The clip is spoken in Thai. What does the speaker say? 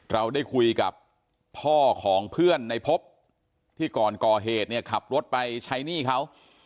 เราได้คุยกับพ่อของเพื่อนในพบที่ก่อนก่อเหตุเนี่ยขับรถไปใช้หนี้เขา